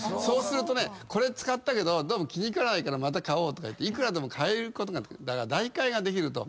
そうするとこれ使ったけどどうも気に食わないからまた買おうとかいくらでも替えることができる。